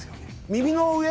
耳の上？